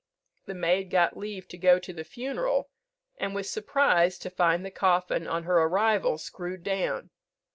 The maid got leave to go to the funeral, and was surprised to find the coffin on her arrival screwed down.